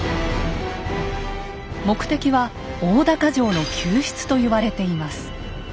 目的は大高城の救出と言われています。